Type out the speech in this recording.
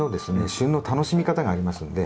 旬の楽しみ方がありますんで。